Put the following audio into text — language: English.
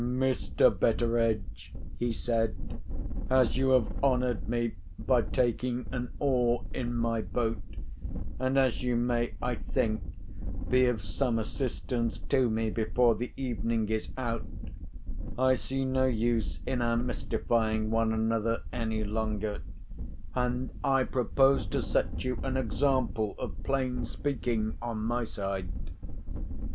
"Mr. Betteredge," he said, "as you have honoured me by taking an oar in my boat, and as you may, I think, be of some assistance to me before the evening is out, I see no use in our mystifying one another any longer, and I propose to set you an example of plain speaking on my side.